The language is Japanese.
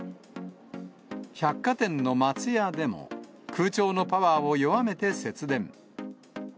百貨店の松屋でも、空調のパワーを弱めて節電。